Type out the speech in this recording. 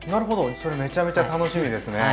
それめちゃめちゃ楽しみですね。